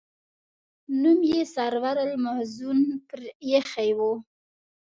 نوم یې سرور المحزون پر ایښی و.